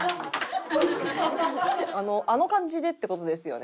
あの感じでって事ですよね。